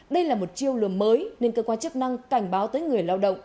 đây là một chiêu lừa mới nên cơ quan chức năng cảnh báo tới người lao động